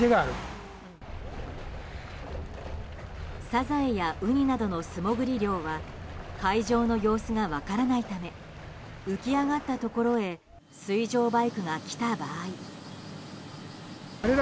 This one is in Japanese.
サザエやウニなどの素潜り漁は海上の様子が分からないため浮き上がったところへ水上バイクが来た場合。